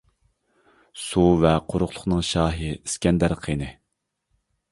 سۇ ۋە قۇرۇقلۇقنىڭ شاھى ئىسكەندەر قېنى؟ !